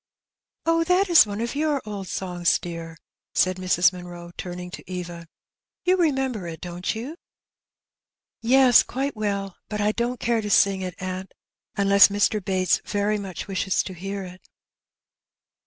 '' '^Oh, that is one of your old songs, dear," said Mrs. Munroe, turning to Eva. '^You remember it, don't you?" "Yes, quite well; biit I don't care to sing it, aunt, unless Mr. Bates very much wishes to hear it." 256 Heb Bennt.